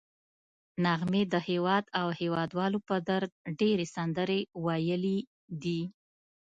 نغمې د هېواد او هېوادوالو په درد ډېرې سندرې ویلي دي